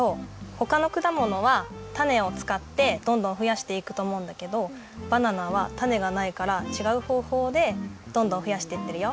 ほかのくだものはタネをつかってどんどんふやしていくとおもうんだけどバナナはタネがないからちがうほうほうでどんどんふやしてってるよ。